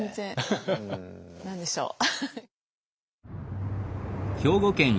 何でしょう？